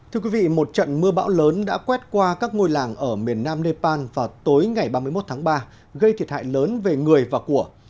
thưa quý vị một trận mưa bão lớn đã quét qua các ngôi làng ở miền nam nepal vào tối ngày ba mươi một tháng ba gây thiệt hại lớn về người và của